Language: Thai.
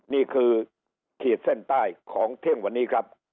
นี่คือขีดเส้นใต้ของเที่ยงวันนี้ครับ